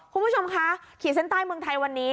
คุณผู้ชมคะขีดเส้นใต้เมืองไทยวันนี้